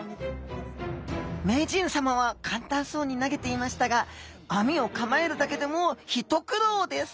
名人さまは簡単そうに投げていましたが網を構えるだけでも一苦労です